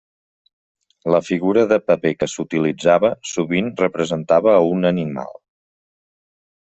La figura de paper que s'utilitzava, sovint representava a un animal.